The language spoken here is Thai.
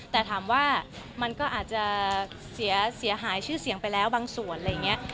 แต่ถามว่ามันก็อาจจะเสียหายชื่อเสียงไปแล้วบางส่วนอะไรอย่างนี้